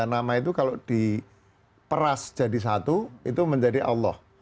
sembilan puluh sembilan nama itu kalau diperas jadi satu itu menjadi allah